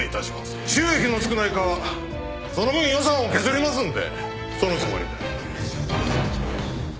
収益の少ない科はその分予算を削りますんでそのつもりで